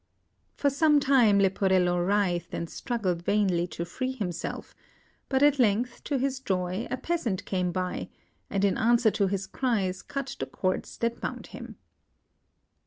For some time Leporello writhed and struggled vainly to free himself; but at length, to his joy, a peasant came by, and in answer to his cries, cut the cords that bound him.